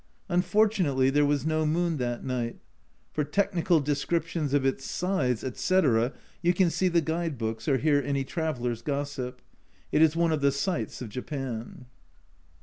Unfortunately there was no moon that night. For technical descriptions of its size, etc. you can see the guide books or hear any traveller's gossip. It is one of the sights of Japan.